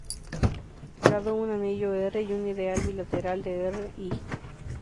Dado un anillo "R" y un ideal bilateral de "R", "I".